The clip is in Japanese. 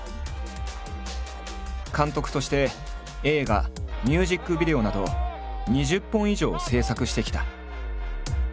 監督として映画ミュージックビデオなど２０本以上を制作してきた。